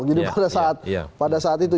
jadi pada saat itu